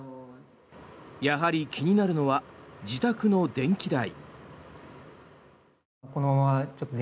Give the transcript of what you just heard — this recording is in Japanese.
やはり気になるのは自宅の電気代。